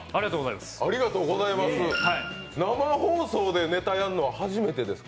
生放送でネタやるのは初めてですか？